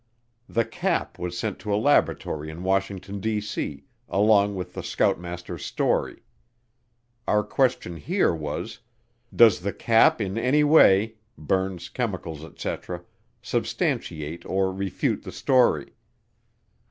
The cap was sent to a laboratory in Washington, D.C., along with the scoutmaster's story. Our question here was, "Does the cap in any way (burns, chemicals, etc.) substantiate or refute the story?"